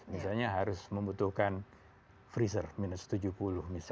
misalnya harus membutuhkan freezer minus tujuh puluh misalnya